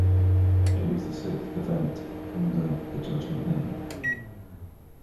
It was the sixth event under the Judgement name.